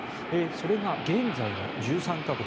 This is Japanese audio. それが、現在は１３か国。